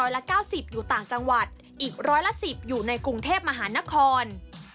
ละ๙๐อยู่ต่างจังหวัดอีกร้อยละ๑๐อยู่ในกรุงเทพมหานคร